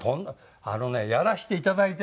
あのねやらせていただいてるんですよ。